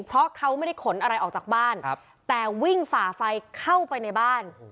เพราะเขาไม่ได้ขนอะไรออกจากบ้านแต่วิ่งฝ่าไฟเข้าไปในบ้าน